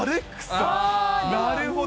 なるほど。